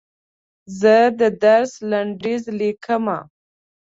زه د درس لنډیز لیکم.